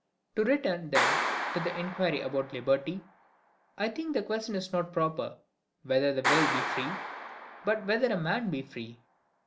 To return, then, to the inquiry about liberty, I think the question is not proper, WHETHER THE WILL BE FREE, but WHETHER A MAN BE FREE.